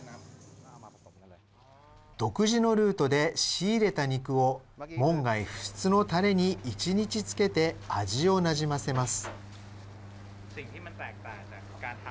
独自のルートで仕入れた肉を門外不出のタレに１日漬けて味をなじませます。